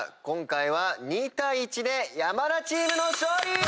今回は２対１で山田チームの勝利！